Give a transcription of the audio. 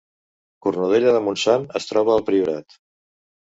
Cornudella de Montsant es troba al Priorat